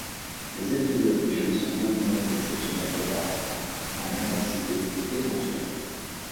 Les épisodes neigeux sont beaucoup moins exceptionnels qu'auparavant en intensité et en durée.